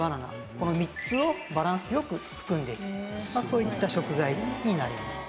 この３つをバランス良く含んでいるそういった食材になります。